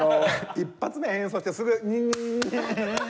１発目演奏してすぐ。